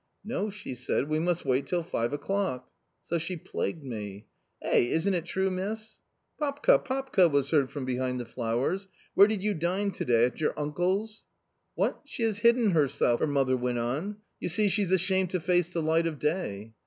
' No,' she said, ' we must wait till five o'clock.' So she plagued me. Eh, isn't it true, miss ?" "Popka, popka!" was heard from behind the flowers; " where did you dine to day, at your uncle's ?"" What ; she has hidden herself !" her mother went on ;" you see she's ashamed to face the light of day."